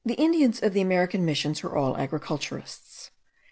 The Indians of the American Missions are all agriculturists.